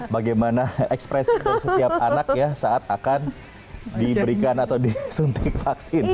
bagaimana ekspresi dari setiap anak ya saat akan diberikan atau disuntik vaksin